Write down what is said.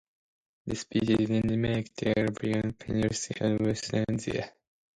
The species is endemic to the Arabian Peninsula in Western Asia.